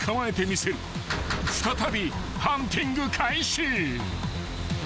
［再びハンティング開始］